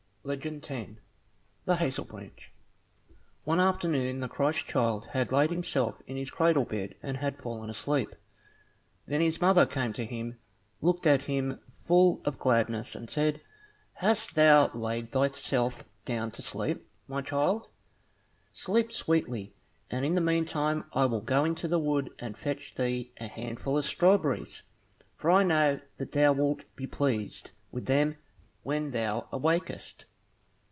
Legend 10 The Hazel Branch One afternoon the Christ child had laid himself in his cradle bed and had fallen asleep. Then his mother came to him, looked at him full of gladness, and said, "Hast thou laid thyself down to sleep, my child? Sleep sweetly, and in the meantime I will go into the wood, and fetch thee a handful of strawberries, for I know that thou wilt be pleased with them when thou awakest."